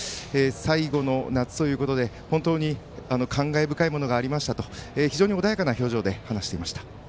最後の夏ということで本当に感慨深いものがありましたと非常に穏やかな表情で話していました。